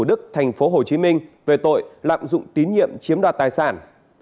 thủ đức thành phố hồ chí minh về tội lạm dụng tín nhiệm chiếm đoạt tài sản